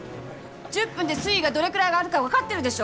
１０分で水位がどれぐらい上がるか分かってるでしょ？